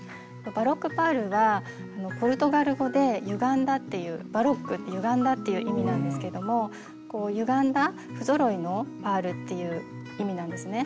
バロックパールはポルトガル語で「ゆがんだ」っていう「バロック」って「ゆがんだ」っていう意味なんですけどもゆがんだ不ぞろいのパールっていう意味なんですね。